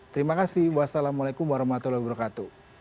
terima kasih wassalamualaikum warahmatullahi wabarakatuh